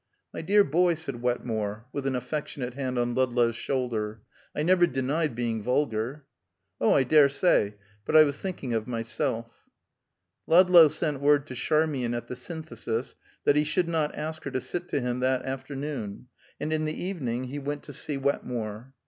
"My dear boy," said Wetmore, with an affectionate hand on Ludlow's shoulder, "I never denied being vulgar." "Oh, I dare say. But I was thinking of myself." Ludlow sent word to Charmian at the Synthesis that he should not ask her to sit to him that afternoon, and in the evening he went to see Wetmore.